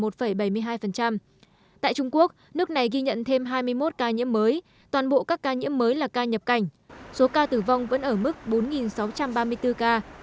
tại trung quốc nước này ghi nhận thêm hai mươi một ca nhiễm mới toàn bộ các ca nhiễm mới là ca nhập cảnh số ca tử vong vẫn ở mức bốn sáu trăm ba mươi bốn ca